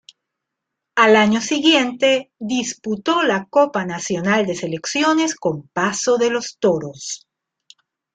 Al año siguiente disputó la Copa Nacional de Selecciones con Paso de los Toros.